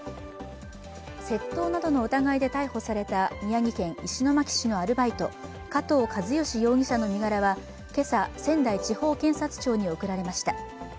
窃盗などの疑いで逮捕された宮城県石巻市のアルバイト、加藤和儀容疑者の身柄は、今朝、仙台地方検察庁に送られました。